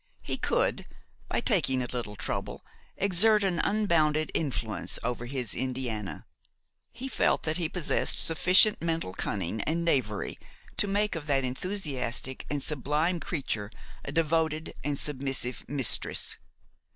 He could, by taking a little trouble, exert an unbounded influence over his Indiana; he felt that he possessed sufficient mental cunning and knavery to make of that enthusiastic and sublime creature a devoted and submissive mistress.